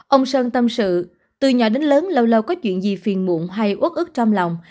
ông sơn tâm sự từ nhỏ đến lớn lâu lâu có chuyện gì phiền muộn hay ốt ức trong lòng